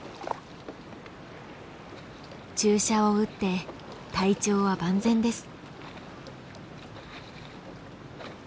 注射を打って体調は万全です。